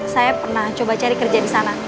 saya pernah coba cari kerja disana